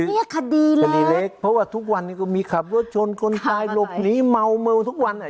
เรียกคดีเลยคดีเล็กเพราะว่าทุกวันนี้ก็มีขับรถชนคนตายหลบหนีเมาเมาทุกวันอ่ะ